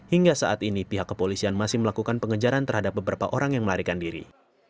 hingga saat ini pihak kepolisian masih melakukan pengejaran terhadap beberapa orang yang melarikan diri